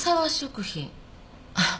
あっ。